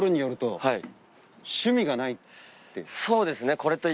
そうですね。